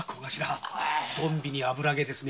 「トンビに油揚げ」ですね。